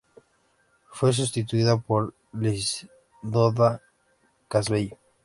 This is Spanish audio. Fue sustituida por Diosdado Cabello.